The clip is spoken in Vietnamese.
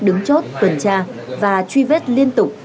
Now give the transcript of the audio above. đứng chốt tuần tra và truy vết liên tục